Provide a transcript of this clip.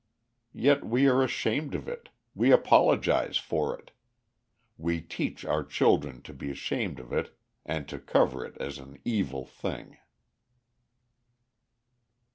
Yet we are ashamed of it, we apologize for it, we teach our children to be ashamed of it and to cover it as an evil thing.